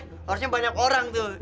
harusnya banyak orang tuh